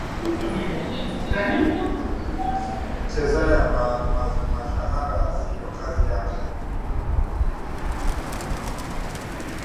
Chezea mshahara, sio kazi yako!